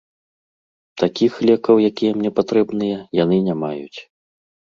Такіх лекаў, якія мне патрэбныя, яны не маюць.